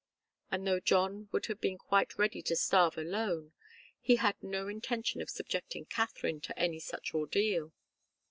And though John would have been quite ready to starve alone, he had no intention of subjecting Katharine to any such ordeal.